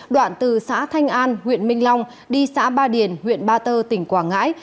đoạn từ xã thanh an huyện minh long đi xã ba điền huyện ba tơ tỉnh quảng ngãi